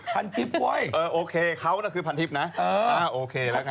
พันทิบกว้อยนะฮะโอเคเขานะคือพันทิบนะโอเคแล้วไง